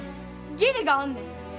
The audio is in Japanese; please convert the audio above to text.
義理があんねん。